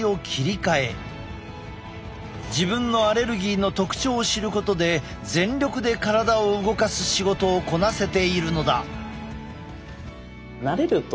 自分のアレルギーの特徴を知ることで全力で体を動かす仕事をこなせているのだ。